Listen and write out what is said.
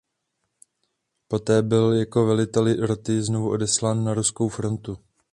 Poté byl jako velitel roty znovu odeslán na ruskou frontu.